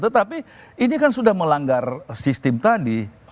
tetapi ini kan sudah melanggar sistem tadi